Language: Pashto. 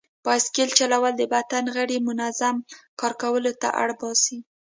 بایسکل چلول د بدن غړي منظم کار کولو ته اړ باسي.